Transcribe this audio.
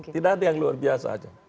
tidak ada yang luar biasa aja